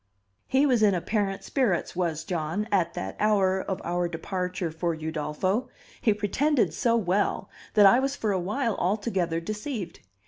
He was in apparent spirits, was John, at that hour of our departure for Udolpho; he pretended so well that I was for a while altogether deceived.